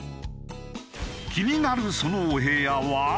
気になるそのお部屋は？